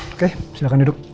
oke silakan duduk